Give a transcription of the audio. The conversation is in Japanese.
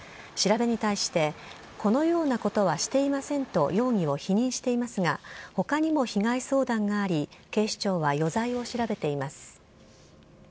調べに対して、このようなことはしていませんと容疑を否認していますが、ほかにも被害相談があり、警視庁は余罪を調べています。